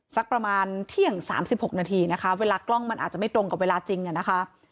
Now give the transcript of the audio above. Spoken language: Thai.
สักประมาณเที่ยง๓๖นาทีนะคะเวลากล้องมันอาจจะไม่ตรงกับเวลาจริงนะคะ